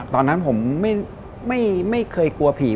ตอนนั้นผมไม่เคยกลัวผี